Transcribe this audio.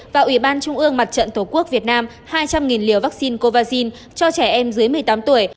và ủy ban trung ương mặt trận tổ quốc việt nam hai trăm linh liều vaccine covid cho trẻ em dưới một mươi tám tuổi